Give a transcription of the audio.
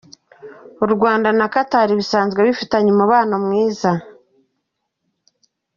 U Rwanda na Qatar bisanzwe bifitanye umubano mwiza.